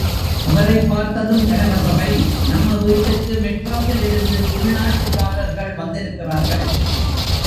அவரைப் பார்த்ததும், கனகசபை நம்ம வீட்டுக்கு மெட்ராசிலிருந்து உள்நாட்டுகாரர்கள் வந்திருக்கிறார்கள்.